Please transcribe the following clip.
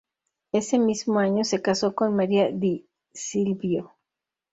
Ese mismo año se casó con María Di Silvio.